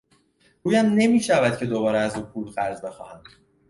رویم نمیشود که دوباره از او پول قرض بخواهم.